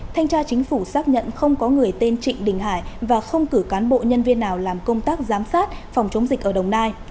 thanh tra chính phủ xác nhận không có người tên trịnh đình hải và không cử cán bộ nhân viên nào làm công tác giám sát phòng chống dịch ở đồng nai